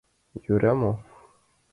— Йӧра мо?